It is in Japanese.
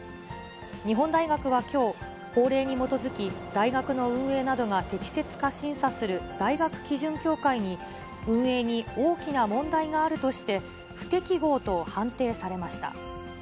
日本大学はきょう、法令に基づき、大学の運営などが適切か審査する大学基準協会に、運営に大きな問題があるとして、不適合と判定されました。